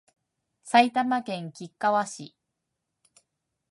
埼玉県吉川市